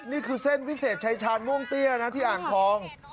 นี่คือเส้นวิเศษชายชาญม่วงเตี้ยนะที่อ่างทอง